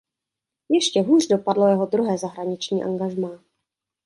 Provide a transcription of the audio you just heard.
Ještě hůř dopadlo jeho druhé zahraniční angažmá.